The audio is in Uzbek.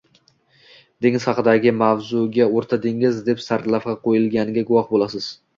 dengiz haqidagi mavzuga oʻrta dengiz deb sarlavha qoʻyilganiga guvoh boʻlasiz